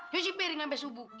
yosipiring sampe subuh